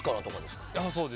そうです。